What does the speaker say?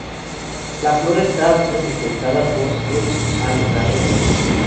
La flora está representada por el algarrobo.